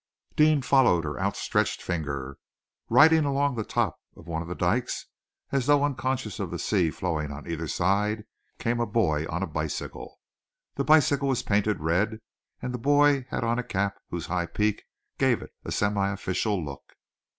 Deane followed her outstretched finger. Riding along the top of one of the dykes, as though unconscious of the sea flowing on either side, came a boy on a bicycle. The bicycle was painted red, and the boy had on a cap whose high peak gave it a semi official look.